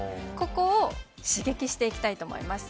ここを刺激していきたいと思います。